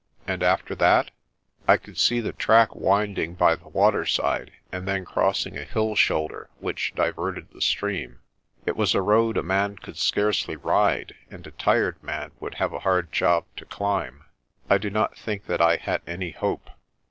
And after that? I could see the track winding by the waterside and then crossing a hill shoulder which diverted the stream. It was a road a man could scarcely ride, and a tired man would have a hard job to climb. I do not think that I had any hope.